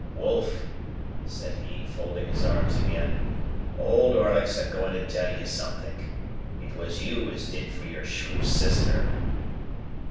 "Wolf!" said he, folding his arms again, "Old Orlick's a going to tell you somethink. It was you as did for your shrew sister."